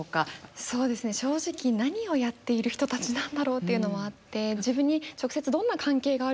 そうですね正直何をやっている人たちなんだろうっていうのはあって自分に直接どんな関係があるんだろうって。